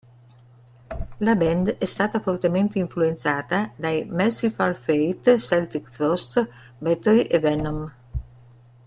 La band è stata fortemente influenzata dai Mercyful Fate, Celtic Frost, Bathory e Venom.